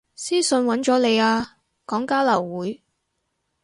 私訊搵咗你啊，講交流會